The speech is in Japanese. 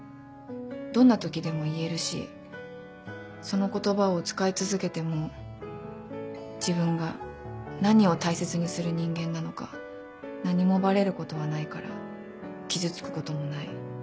どんな時でも言えるしその言葉を使い続けても自分が何を大切にする人間なのか何もバレることはないから傷つくこともない。